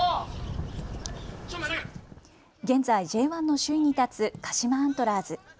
現在、Ｊ１の首位に立つ鹿島アントラーズ。